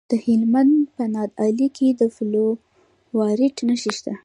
د هلمند په نادعلي کې د فلورایټ نښې شته.